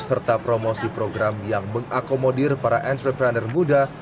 serta promosi program yang mengakomodir para entrepreneur muda